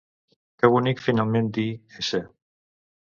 Que bonic finalment dir: s